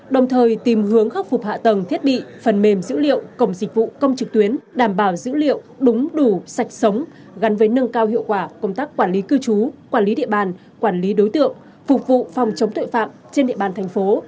đồng thời tìm hướng khắc phục hạ tầng thiết bị phần mềm dữ liệu cổng dịch vụ công trực tuyến đảm bảo dữ liệu đúng đủ sạch sống gắn với nâng cao hiệu quả công tác quản lý cư trú quản lý địa bàn quản lý đối tượng phục vụ phòng chống tội phạm trên địa bàn thành phố